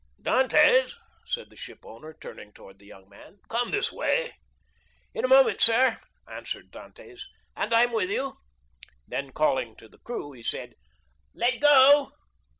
"Dantès," said the shipowner, turning towards the young man, "come this way!" "In a moment, sir," answered Dantès, "and I'm with you." Then calling to the crew, he said, "Let go!"